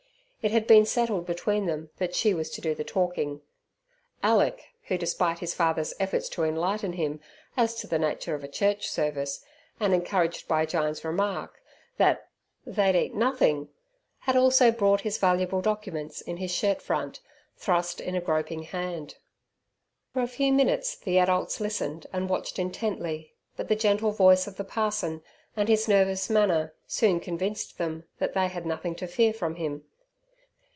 It had been settled between them that she was to do the talking Alick, who, despite his father's efforts to enlighten him as to the nature of a church service, and encouraged by Jyne's remark that "they'd eat nothin'", had also brought his valuable documents in his shirt front, thrust in a groping hand. For a few minutes the adults listened and watched intently, but the gentle voice of the parson, and his nervous manner, soon convinced them that they had nothing to fear from him.